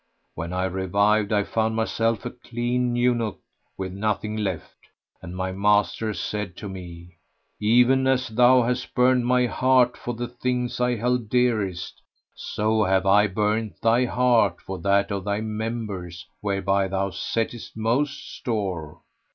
When I revived I found myself a clean eunuch with nothing left, and my master said to me, "Even as thou hast burned my heart for the things I held dearest, so have I burnt thy heart for that of thy members whereby thou settest most store!"